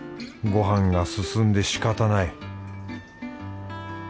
ごはんが進んでしかたない